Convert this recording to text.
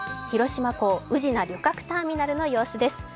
広島港宇品旅客ターミナルの朝です。